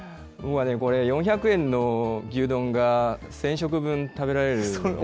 これ、４００円の牛丼が１０００食分食べられるので。